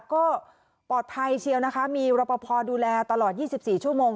ก็ปลอดภัยเชียวนะคะมีรปภดูแลตลอด๒๔ชั่วโมง